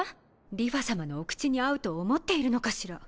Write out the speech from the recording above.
梨花さまのお口に合うと思っているのかしら？